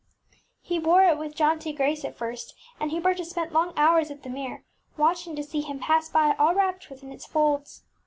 He wore it with jaunty grace at first, and Huberta spent long hours at the mirror, watching to see him pass by all wrapped within its folds.